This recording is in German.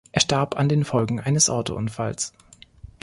Er starb an den Folgen eines Autounfalls.